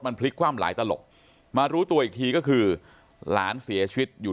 พลิกคว่ำหลายตลบมารู้ตัวอีกทีก็คือหลานเสียชีวิตอยู่